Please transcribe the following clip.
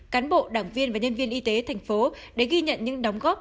cán bộ đảng viên và nhân viên y tế thành phố để ghi nhận những đóng góp